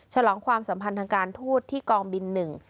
ฉลองความสัมพันธ์ทางการทูตที่กองบินหนึ่ง